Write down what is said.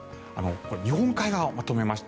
日本海側をまとめました。